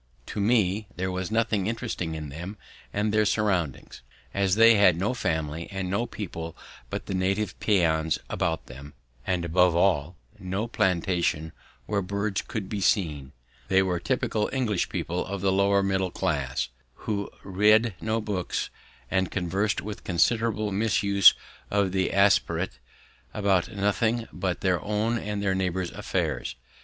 To me there was nothing interesting in them and their surroundings, as they had no family and no people but the native peons about them, and, above all, no plantation where birds could be seen. They were typical English people of the lower middle class, who read no books and conversed, with considerable misuse of the aspirate, about nothing but their own and their neighbours' affairs.